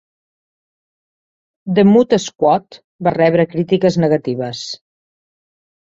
"The Mod Squad" va rebre crítiques negatives.